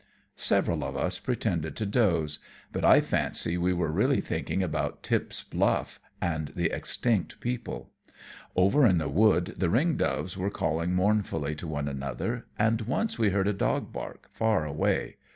Several of us pretended to doze, but I fancy we were really thinking about Tip's Bluff and the extinct people. Over in the wood the ring doves were calling mournfully to one another, and once we heard a dog bark, far away.